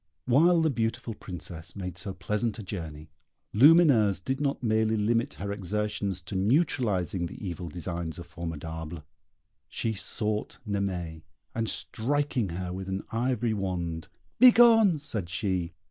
While the beautiful Princess made so pleasant a journey, Lumineuse did not merely limit her exertions to neutralizing the evil designs of Formidable; she sought Naimée, and striking her with an ivory wand "Begone!" said she.